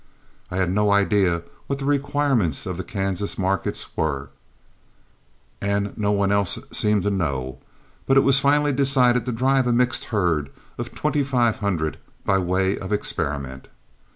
I had no idea what the requirements of the Kansas market were, and no one else seemed to know, but it was finally decided to drive a mixed herd of twenty five hundred by way of experiment.